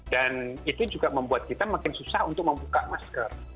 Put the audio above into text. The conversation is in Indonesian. itu juga membuat kita makin susah untuk membuka masker